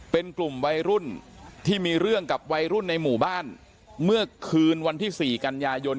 เป็นกลุ่มวัยรุ่นที่มีเรื่องกับวัยรุ่นในหมู่บ้านเมื่อคืนวันที่๔กันยายน